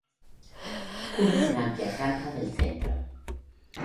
Cubre una amplia franja del centro.